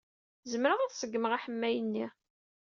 Zemreɣ ad ṣeggmeɣ aḥemmay-nni.